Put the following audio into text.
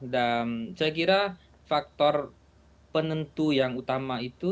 dan saya kira faktor penentu yang utama itu